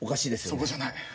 そこじゃないよ。